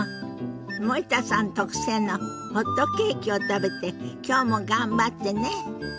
森田さん特製のホットケーキを食べてきょうも頑張ってね。